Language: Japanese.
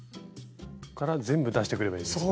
ここから全部出してくればいいんですね。